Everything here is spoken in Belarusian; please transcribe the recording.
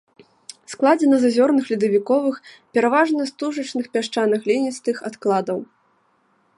Складзена з азёрных ледавіковых, пераважна стужачных, пясчана-гліністых адкладаў.